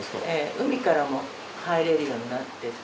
海からも入れるようになってて。